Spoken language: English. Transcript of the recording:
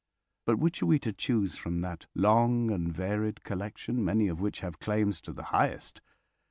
But which are we to choose from that long and varied collection, many of which have claims to the highest?